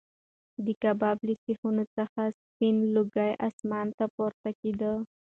د کباب له سیخانو څخه سپین لوګی اسمان ته پورته کېده.